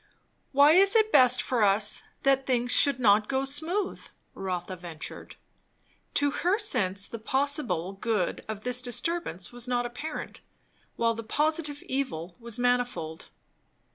"Why is it best for us that things should not go smooth?" Rotha ventured. To her sense the possible good of this disturbance was not apparent, while the positive evil was manifold.